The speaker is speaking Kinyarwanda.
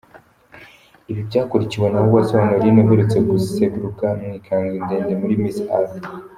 Ibi byakurikiwe na Uwase Honorine uherutse guseruka mu ikanzu ndende muri Miss Earth.